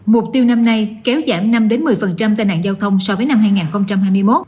mục tiêu năm nay kéo giảm năm một mươi tai nạn giao thông so với năm hai nghìn hai mươi một